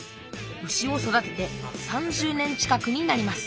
牛を育てて３０年近くになります